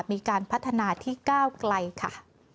มีการพัฒนาที่ก้าวไกลค่ะ